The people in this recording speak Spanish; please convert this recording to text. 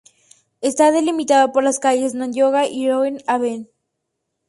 Está delimitado por las calles Nogoyá, Irigoyen, Av.